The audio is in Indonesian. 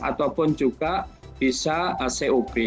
ataupun juga bisa cob